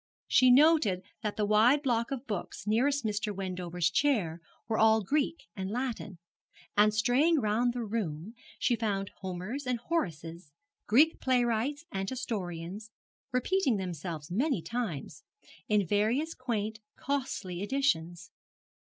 She noted that the wide block of books nearest Mr. Wendover's chair were all Greek and Latin; and straying round the room she found Homers and Horaces, Greek playwrights and historians, repeating themselves many times, in various quaint costly editions.